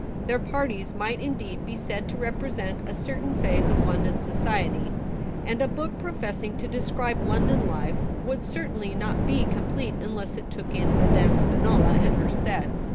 Their parties might indeed be said to represent a certain phase of London society, and a book professing to describe London life would certainly not be complete unless it took in Madame Spinola and her set.